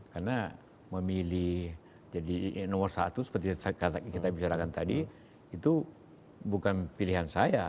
karena memilih jadi nomor satu seperti yang kita bicarakan tadi itu bukan pilihan saya